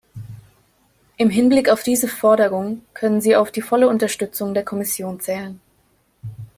Im Hinblick auf diese Forderung können Sie auf die volle Unterstützung der Kommission zählen.